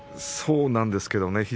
そうなんですけどね